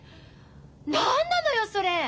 何なのよそれ！？